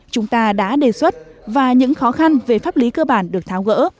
chúng ta đã đề xuất và những khó khăn về pháp lý cơ bản được tháo gỡ